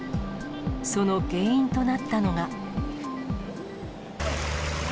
その原因となったのが。